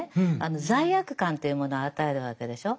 罪悪感というものを与えるわけでしょう。